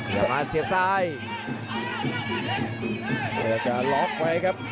กระโดยสิ้งเล็กนี่ออกกันขาสันเหมือนกันครับ